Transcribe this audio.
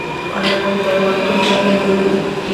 ایا د درملتون ځای مو ولید؟